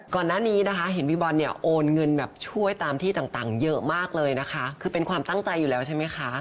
ก่อนหน้านี้นะคะเห็นพี่บอลเนี่ยโอนเงินแบบช่วยตามที่ต่างเยอะมากเลยนะคะคือเป็นความตั้งใจอยู่แล้วใช่ไหมคะ